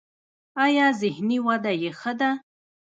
ایا ذهني وده یې ښه ده؟